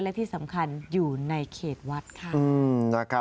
และที่สำคัญอยู่ในเขตวัดค่ะ